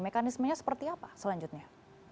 mekanismenya seperti apa selanjutnya